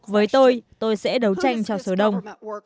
với tôi tôi sẽ đấu tranh cho số đông